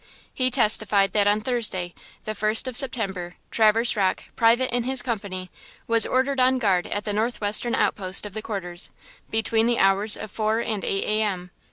He testified that on Thursday, the first of September, Traverse Rocke, private in his company, was ordered on guard at the northwestern out post of the quarters, between the hours of four and eight a. m.